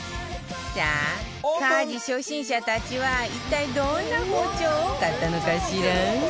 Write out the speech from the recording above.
さあ家事初心者たちは一体どんな包丁を買ったのかしら？